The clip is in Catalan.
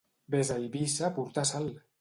Ves a Eivissa a portar sal!